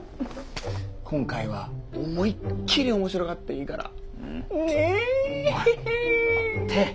今回は思いっきり面白がっていいから。ねえエヘヘ！